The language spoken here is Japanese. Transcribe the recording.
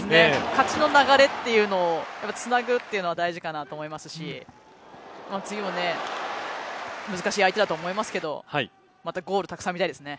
勝ちの流れというのをつなぐのは大事かなと思いますし次も難しい相手だと思いますけどまたゴールたくさんみたいですね。